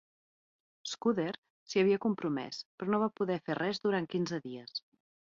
Scudder s'hi havia compromès, però no va poder fer res durant quinze dies.